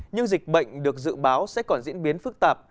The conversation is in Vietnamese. nhưng dịch bệnh được dự báo sẽ còn diễn biến phức tạp